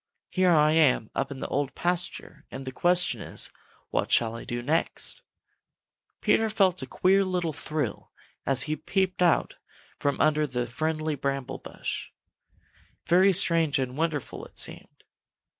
Here I am up in the Old Pasture, and the question is, what shall I do next?" Peter felt a queer little thrill as he peeped out from under the friendly bramble bush. Very strange and wonderful it seemed.